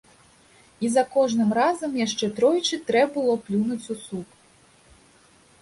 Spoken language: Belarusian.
І за кожным разам яшчэ тройчы трэ было плюнуць у сук.